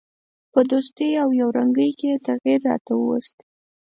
په دوستي او یو رنګي کې یې تغییر را نه ووست.